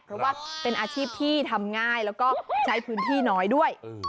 เพราะว่าเป็นอาชีพที่ทำง่ายแล้วก็ใช้พื้นที่น้อยด้วย